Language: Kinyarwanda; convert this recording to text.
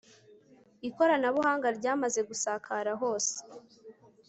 ikoranabuhanga ryamaze gusakara hose